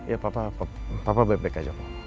ya papa baik baik aja pa